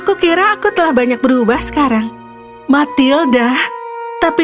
bibirku saya sedang berubah banyak